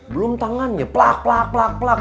belum tangannya plak plak plak plak